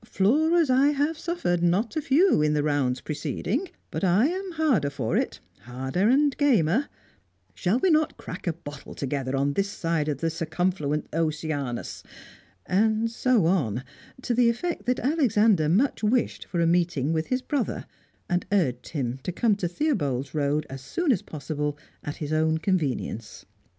Floorers I have suffered, not a few, in the rounds preceding, but I am harder for it, harder and gamer." "Shall we not crack a bottle together on this side of the circumfluent Oceanus?" And so on, to the effect that Alexander much wished for a meeting with his brother, and urged him to come to Theobald's Road as soon as possible, at his own convenience.